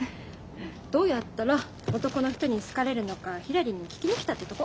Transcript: どうやったら男の人に好かれるのかひらりに聞きに来たってとこ。